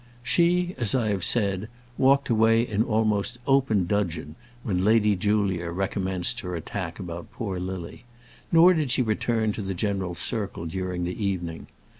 She, as I have said, walked away in almost open dudgeon when Lady Julia recommenced her attack about poor Lily, nor did she return to the general circle during the evening.